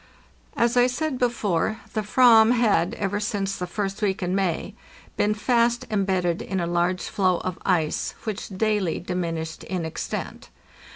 As I said before, the "vam had, ever since the first week in May, been fast embedded in a large floe of ice, which daily diminished in extent.